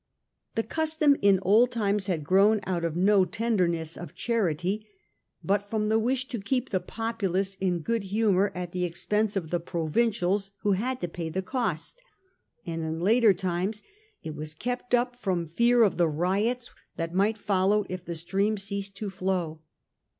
The custom in old times had grown out of no tenderness of charity, but from the wish to keep the populace in good humour at the expense of the provincials who had to pay the cost, and in later times it was kept up from fear of the riots that might follow if the stream ceased to flow.